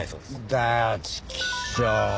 んだよちきしょう。